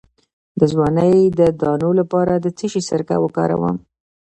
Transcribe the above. د ځوانۍ د دانو لپاره د څه شي سرکه وکاروم؟